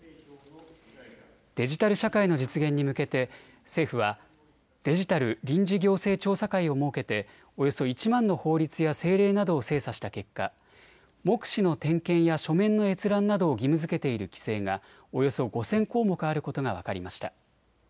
デジタル社会の実現に向けて政府はデジタル臨時行政調査会を設けておよそ１万の法律や政令などを精査した結果、目視の点検や書面の閲覧などを義務づけている規制がおよそ５０００項目あることが分かりました。